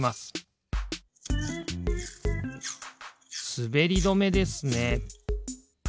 すべりどめですね。